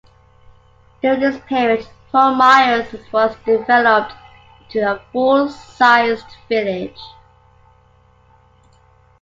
During this period, Fort Myers was developed into a full-sized village.